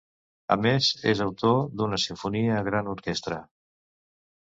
A més, és autor, d'una simfonia a gran orquestra.